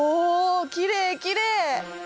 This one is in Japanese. きれいきれい！